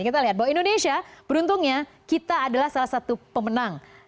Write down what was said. kita lihat bahwa indonesia beruntungnya kita adalah salah satu pemenang